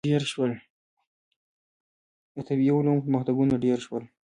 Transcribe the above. • د طبیعي علومو پرمختګونه ډېر شول.